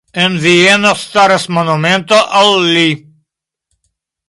En Vieno staras monumento al li.